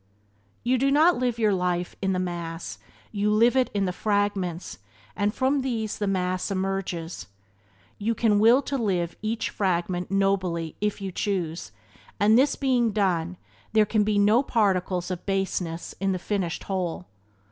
You do not live your life in the mass; you live it in the fragments and from these the mass emerges. You can will to live each fragment nobly if you choose, and, this being done, there can be no particle of baseness in the finished whole.